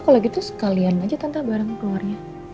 tante kalau gitu sekalian aja tante bareng keluarnya